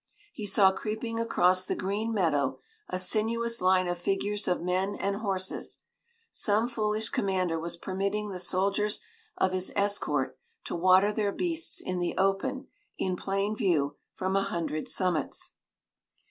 He saw creeping across the green meadow a sinuous line of figures of men and horses some foolish commander was permitting the soldiers of his escort to water their beasts in the open, in plain view from a hundred summits!